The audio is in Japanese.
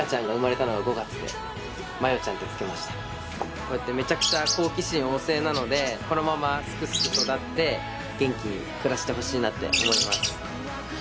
こうやってめちゃくちゃ好奇心旺盛なのでこのまますくすく育って元気に暮らしてほしいなって思います。